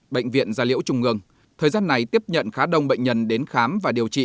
bệnh viện gia liễu trung ương thời gian này tiếp nhận khá đông bệnh nhân đến khám và điều trị